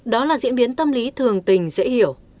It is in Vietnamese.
đó là diễn biến tâm lý thường tình dễ hiểu